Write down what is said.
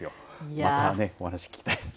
またね、私、聞きたいですね。